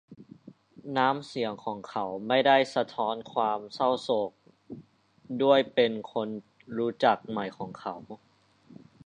น้ำเสียงของเขาไม่ได้สะท้อนความเศร้าโศก ด้วยเป็นคนรู้จักใหม่ของเขา